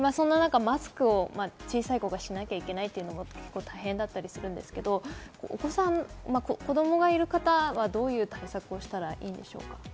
そんな中、小さい子がマスクをしなきゃいけないというのは大変だったりするんですけど、子供がいる方はどういう対策をしたらいいんでしょう？